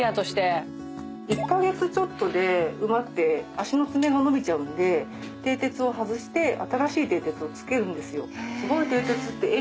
１カ月ちょっとで馬って足の爪が伸びちゃうんで蹄鉄を外して新しい蹄鉄を着けるんですよ。